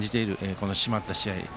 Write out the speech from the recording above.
この締まった試合。